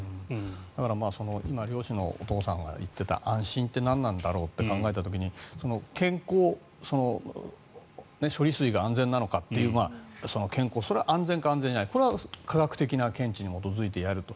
だから今漁師のお父さんが行ってた安心ってなんなんだろうって考えた時に処理水が安全なのかという健康それは安全か安全じゃないこれは科学的な見地に基づいてやると。